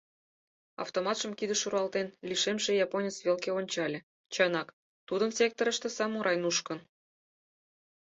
Автоматшым кидыш руалтен, лишемше японец велке ончале: чынак, тудын секторышто самурай нушкын.